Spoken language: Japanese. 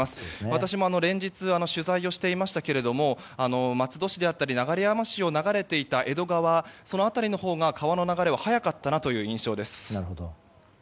私も連日取材をしていましたが松戸市だったり流山市を流れていた江戸川の辺りのほうが川の流れは速かったという印象です。